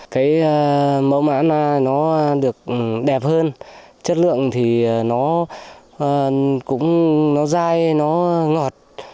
cán nó được đẹp hơn chất lượng thì nó cũng nó dai nó ngọt